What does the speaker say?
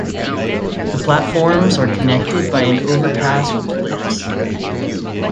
The platforms are connected by an overpass with lifts.